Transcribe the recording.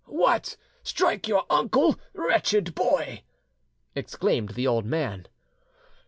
"What! strike your uncle, wretched boy!" exclaimed the old man.